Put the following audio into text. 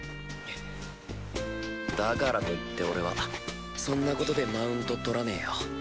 だからと言って俺はそんなことでマウントとらねえよ。